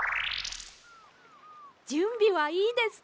じゅんびはいいですか？